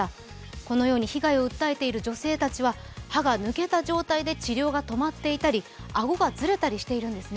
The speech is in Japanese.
このように被害を訴えている女性たちは歯が抜けた状態で治療が止まっていたり顎がずれていたりしているんですね。